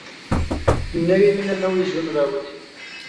نوې وینه نوی ژوند راولي